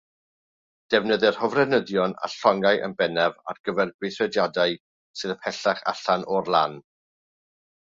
Defnyddir hofrenyddion a llongau yn bennaf ar gyfer gweithrediadau sydd ymhellach allan o'r lan.